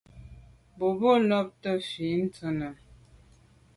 Boa bo lo bumte mfe ntàne.